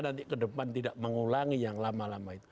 nanti ke depan tidak mengulangi yang lama lama itu